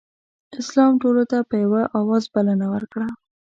اسلام ټولو ته په یوه اواز بلنه ورکړه.